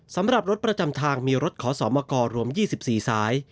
สำหรับรถประจำทางมีรถขอสอบมากรรวม๒๔สาย